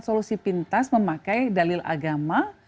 solusi pintas memakai dalil agama